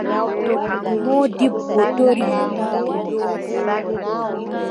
Moodibbo tori mo taa o yoofa.